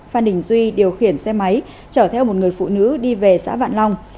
phan đình duy điều khiển xe máy chở theo một người phụ nữ đi về xã vạn long